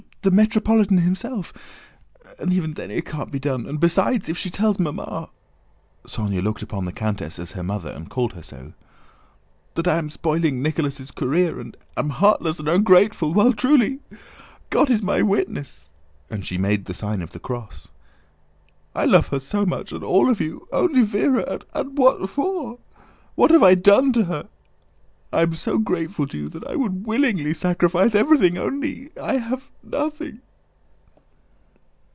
the Metropolitan himself... and even then it can't be done. And besides, if she tells Mamma" (Sónya looked upon the countess as her mother and called her so) "that I am spoiling Nicholas' career and am heartless and ungrateful, while truly... God is my witness," and she made the sign of the cross, "I love her so much, and all of you, only Véra... And what for? What have I done to her? I am so grateful to you that I would willingly sacrifice everything, only I have nothing...."